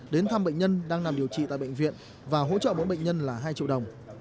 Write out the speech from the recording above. đến thăm bệnh nhân đang nằm điều trị tại bệnh viện và hỗ trợ mỗi bệnh nhân là hai triệu đồng